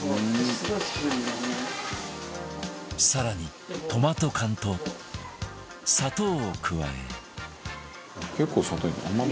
更にトマト缶と砂糖を加え